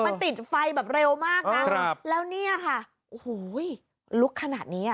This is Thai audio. มันติดไฟแบบเร็วมากนะครับแล้วเนี่ยค่ะโอ้โหลุกขนาดนี้อ่ะ